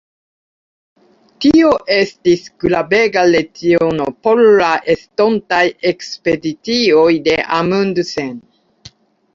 Tio estis gravega leciono por la estontaj ekspedicioj de Amundsen.